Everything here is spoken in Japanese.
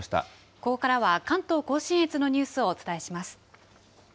ここからは、関東甲信越のニュースをお伝えします。